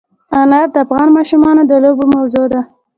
انار د افغان ماشومانو د لوبو موضوع ده.